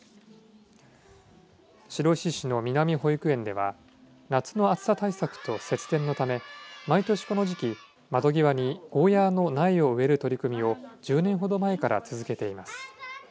白石市の南保育園では夏の暑さ対策と節電のため毎年この時期、窓際にゴーヤーの苗を植える取り組みを１０年ほど前から続けています。